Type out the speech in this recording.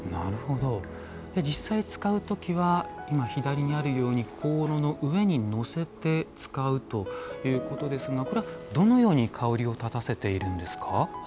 実際、使うときは香炉の上に乗せて使うということですがこれは、どのように香りをたたせているんですか？